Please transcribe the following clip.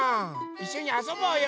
いっしょにあそぼうよ。